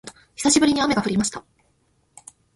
久しぶりに雨が降りました